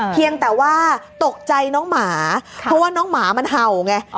เพียงแต่ว่าตกใจน้องหมาเพราะว่าน้องหมามันเห่าไง